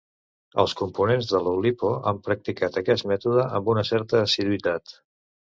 Els components de l'Oulipo han practicat aquest mètode amb una certa assiduïtat.